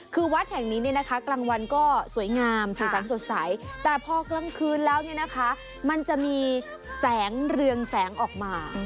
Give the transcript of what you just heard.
คือวัดแห่งนี้กลางวันก็สวยงามสวยสันสดใสแต่พอกลางคืนแล้วมันจะมีแสงเรืองแสงออกมา